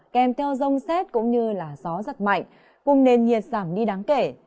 kèm theo rông xét cũng như gió giật mạnh cùng nền nhiệt giảm đi đáng kể